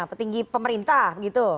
petinggi pemerintah gitu